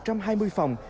đã không còn nổi tiếng